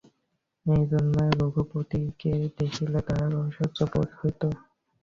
এইজন্য রঘুপতিকে দেখিলে তাঁহার অসহ্য বোধ হইত।